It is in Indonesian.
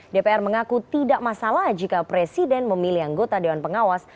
dpr mengaku tidak masalah jika presiden memilih anggota dewan pengawas